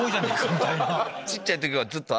みたいな。